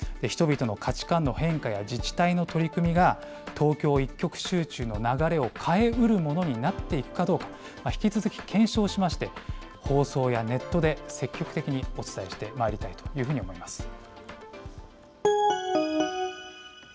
人々の価値観の変化や自治体の取り組みが東京一極集中の流れを変えうるものになっていくかどうか、引き続き検証しまして、放送やネットで引き続きお伝えしてまいりたいというふうに思います。